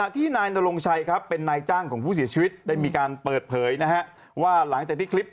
ที่นายนรงชัยครับเป็นนายจ้างของผู้เสียชีวิตได้มีการเปิดเผยว่าหลังจากที่คลิป